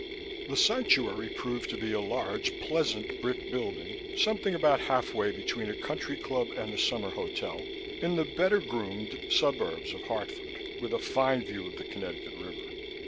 The Sanctuary proved to be a large, pleasant brick building something about half way between a country club and a summer hotel in the better groomed suburbs of Hartford, with a fine view of the Connecticut River.